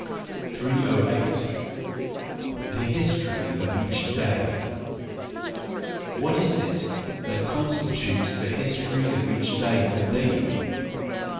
308. The History of each Day .—What is it that con¬ stitutes the history of each day for thee?